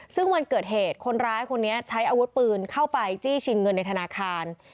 ซึ่งวันเกิดเหตุคนร้ายคนนี้ใช้อาวุธปืนเข้าไปจี้ชิงเงินในธนาคาร